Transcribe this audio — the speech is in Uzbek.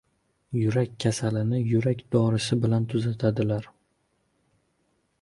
• Yurak kasalini yurak dorisi bilan tuzatadilar.